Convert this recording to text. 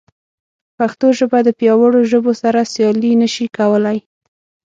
پښتو ژبه د پیاوړو ژبو سره سیالي نه شي کولی.